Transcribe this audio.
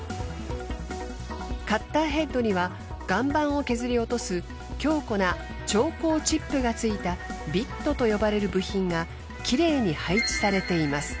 カッターヘッドには岩盤を削り落とす強固な超硬チップがついたビットと呼ばれる部品がきれいに配置されています。